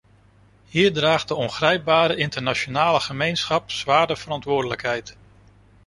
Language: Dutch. Hier draagt de ongrijpbare internationale gemeenschap zware verantwoordelijkheid.